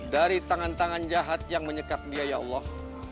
dari tangan tangan jahat yang menyekap dia ya allah